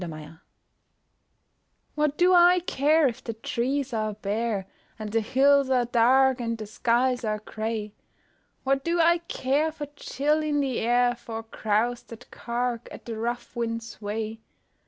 FROM ABOVE What do I care if the trees are bare And the hills are dark And the skies are gray. What do I care for chill in the air For crows that cark At the rough wind's way.